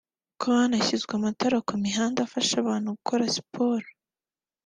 Ko hanashyizwe amatara ku mihanda afasha abantu gukora siporo